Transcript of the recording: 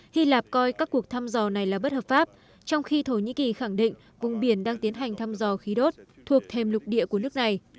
hy lạp coi các cuộc thăm dò này là bất hợp pháp trong khi thổ nhĩ kỳ khẳng định vùng biển đang tiến hành thăm dò khí đốt thuộc thêm lục địa của nước này